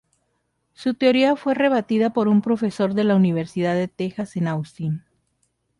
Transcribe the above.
Su teoría fue rebatida por un profesor de la Universidad de Texas en Austin.